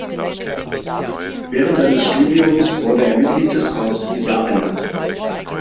Während seines Studiums wurde er Mitglied des Corps Isaria.